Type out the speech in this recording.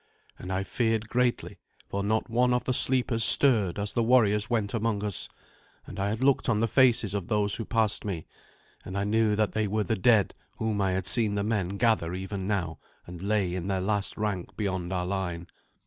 And I feared greatly, for not one of the sleepers stirred as the warriors went among us, and I had looked on the faces of those who passed me, and I knew that they were the dead whom I had seen the men gather even now and lay in their last rank beyond our line.